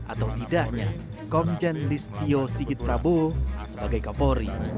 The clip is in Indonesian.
atau tidaknya komjen listio sigit prabowo sebagai kapolri